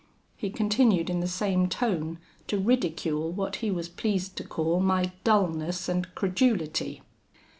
He continued in the same tone to ridicule what he was pleased to call my dullness and credulity.